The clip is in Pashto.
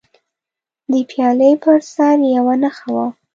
د پیالې پر سر یوه نښه وه.